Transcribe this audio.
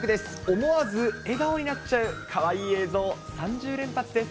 思わず笑顔になっちゃう、かわいい映像３０連発です。